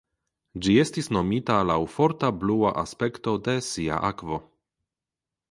Ĝi estis nomita laŭ forta blua aspekto de sia akvo.